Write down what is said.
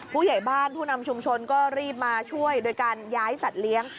ผู้ใหญ่บ้านผู้นำชุมชนก็รีบมาช่วยโดยการย้ายสัตว์เลี้ยง